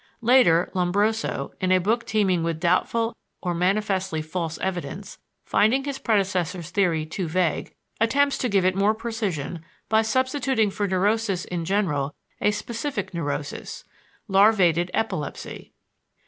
Later, Lombroso, in a book teeming with doubtful or manifestly false evidence, finding his predecessor's theory too vague, attempts to give it more precision by substituting for neurosis in general a specific neurosis larvated epilepsy.